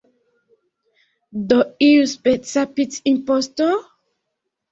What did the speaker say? Do iuspeca pic-imposto?